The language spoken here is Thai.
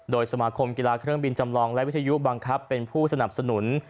โดยสมาคมกีฬาเครื่องบินจำลองและวิทยุบังคับเป็นผู้สนับสนุน